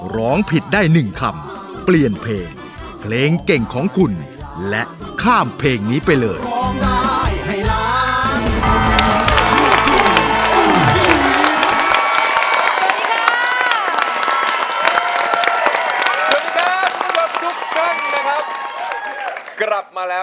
ร้องผิดได้๑คำเปลี่ยนเพลงเพลงเก่งของคุณและข้ามเพลงนี้ไปเลย